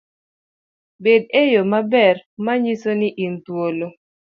Bed eyo maber manyiso ni in thuolo